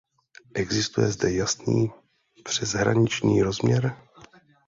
Existuje zde jasný přeshraniční rozměr?